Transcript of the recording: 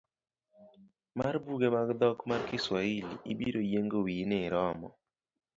Mar buge mag dhok mar Kiswahili ibiro yiengo wiyi ni iromo.